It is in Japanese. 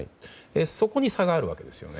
そこに差がある訳ですね。